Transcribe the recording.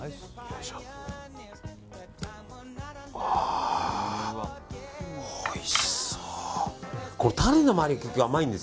あー、おいしそう。